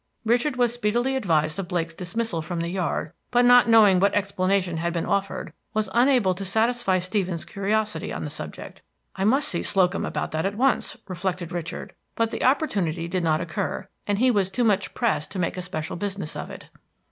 Richard was speedily advised of Blake's dismissal from the yard, but, not knowing what explanation had been offered, was unable to satisfy Stevens' curiosity on the subject. "I must see Slocum about that at once," reflected Richard; but the opportunity did not occur, and he was too much pressed to make a special business of it.